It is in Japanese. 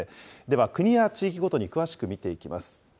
では、国や地域ごとに詳しく見ていきます。